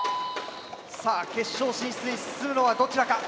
さあ決勝進出するのはどちらか？